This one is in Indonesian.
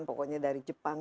pokoknya dari jepang